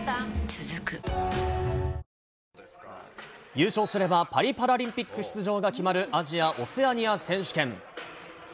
続く優勝すれば、パリパラリンピック出場が決まるアジア・オセアニア選手権。